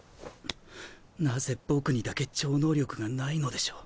なぜ僕にだけ超能力がないのでしょう。